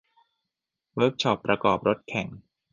เวิร์คช็อปประกอบรถแข่ง